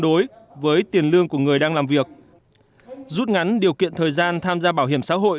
đối với tiền lương của người đang làm việc rút ngắn điều kiện thời gian tham gia bảo hiểm xã hội